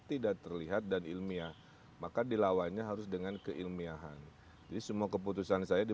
tidak terlihat dan ilmiah maka dilawannya harus dengan keilmiahan jadi semua keputusan saya di